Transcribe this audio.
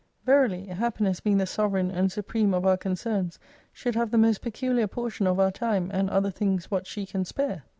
Verily, happiness being the sovereign and supreme of our concerns, should have the most peculiar portion of our time, and other things what she can spare.